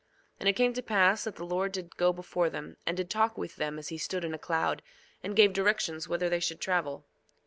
And it came to pass that the Lord did go before them, and did talk with them as he stood in a cloud, and gave directions whither they should travel.